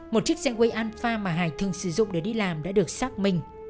một chiếc xe quay alfa mà hải thường sử dụng để đi làm đã được xác minh